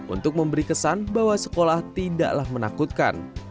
untuk memberi kesan bahwa sekolah tidaklah menakutkan